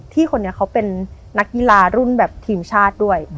คนนี้เขาเป็นนักกีฬารุ่นแบบทีมชาติด้วย